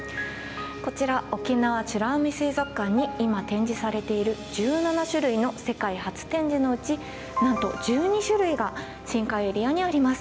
こちら沖縄美ら海水族館に今展示されている１７種類の世界初展示のうちなんと１２種類が深海エリアにあります。